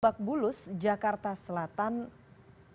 lebak bulus jakarta selatan